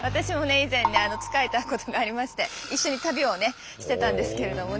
以前ね仕えたことがありまして一緒に旅をねしてたんですけれどもね。